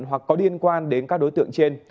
hoặc có liên quan đến các đối tượng trên